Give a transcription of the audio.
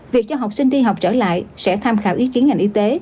việc cho học sinh đi học trở lại sẽ tham khảo ý kiến ngành y tế